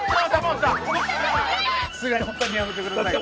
さすがにホントにやめてくださいよ。